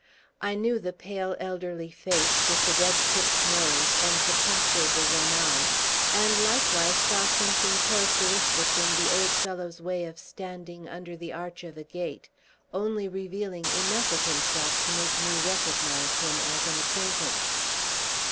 I knew the pale, elderly face, with the red tipt nose, and the patch over one eye; and likewise saw something characteristic in the old fellow's way of standing under the arch of a gate, only revealing enough of himself to make me recognize him as an acquaintance.